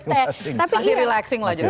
masih relaxing lah